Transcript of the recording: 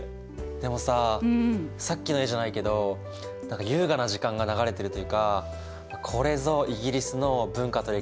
でもささっきの絵じゃないけど何か優雅な時間が流れてるというかこれぞイギリスの文化と歴史って感じだよね。